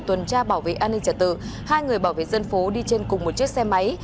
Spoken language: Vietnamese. tuần tra bảo vệ an ninh trả tự hai người bảo vệ dân phố đi trên cùng một chiếc xe máy